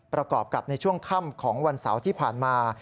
ประกอบกับในช่วงค่ำของวันเสาร์ที่ผ่านมา